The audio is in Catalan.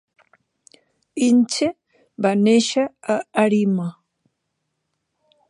Ince va néixer a Arima.